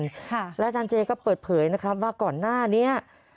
และอาจารย์เจก็เปิดเผยว่าก่อนหน้านี้